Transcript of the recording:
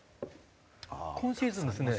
今シーズンですね